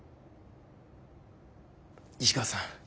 市川さん